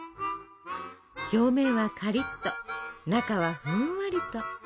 表面はカリッと中はふんわりと。